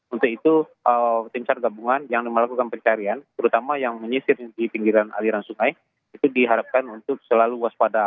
untuk itu tim sargabungan yang melakukan pencarian terutama yang menyisir di pinggiran aliran sungai itu diharapkan untuk selalu waspada